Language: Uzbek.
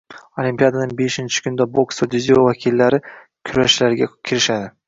Olimpiadaning beshinchi kunida boks va dzyudo vakillari kurashlarga kirishadi